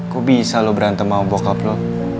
kok bisa lo berantem sama bokap lo